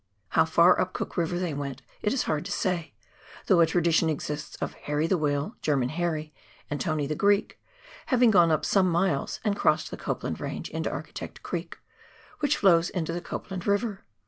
How far up Cook River they went it is hard to say, though a tradition exists of " Harry the Whale," " German Harry," and " Tony the Greek " having gone up some miles and crossed the Copland Range into Architect Creek, which flows into the Copland River.